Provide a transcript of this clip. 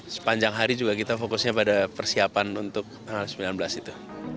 sepanjang hari juga kita fokusnya pada persiapan untuk tanggal sembilan belas itu